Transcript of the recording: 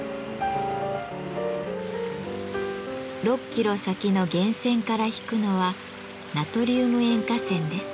６キロ先の源泉から引くのはナトリウム塩化泉です。